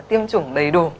tiêm chủng đầy đủ